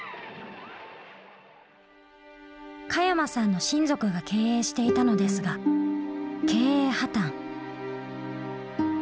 加山さんの親族が経営していたのですが経営破綻。